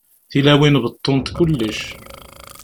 Tilawin beṭṭunt kullec.